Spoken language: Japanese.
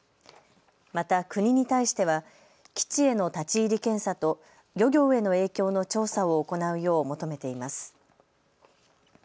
また国に対しては基地への立ち入り検査と漁業への影響の調査を行うよう求めています。